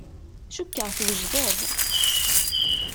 Cukkeɣ twejdeḍ.